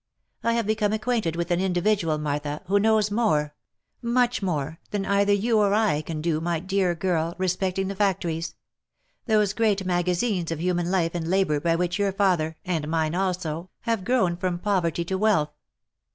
I have become acquainted with an individual, Martha, who knows more, much more, than either you or I can do, my dear girl, respecting the factories — those great magazines of human life and labour by which your father, and mine also, have grown from poverty to wealth.